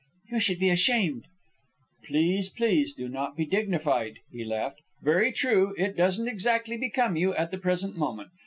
"You should be ashamed!" "Please, please do not be dignified," he laughed. "Very true, it doesn't exactly become you at the present moment.